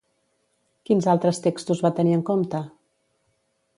Quins altres textos va tenir en compte?